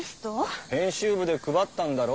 編集部で配ったんだろ。